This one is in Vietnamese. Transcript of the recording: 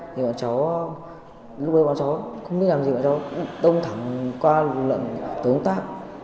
thì bọn cháu lúc đấy bọn cháu không biết làm gì bọn cháu đông thẳng qua lượng tổ công tác